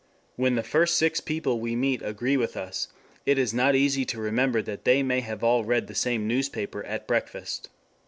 When the first six people we meet agree with us, it is not easy to remember that they may all have read the same newspaper at breakfast.